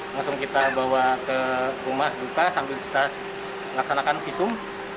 langsung kita bawa ke rumah duka sambil kita laksanakan visum